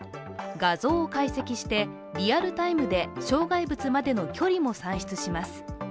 画像を解析して、リアルタイムで障害物までの距離も算出します。